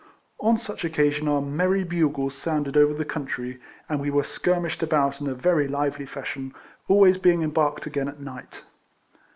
On such occasions our merry bugles sounded over the country, and we were skirmished about in very lively fashion, always being embarked again at night.